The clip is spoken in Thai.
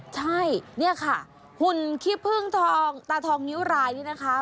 ใช่เนี่ยค่ะหุ่นขี้พึ่งทองตาทองนิ้วรายนี่นะคะ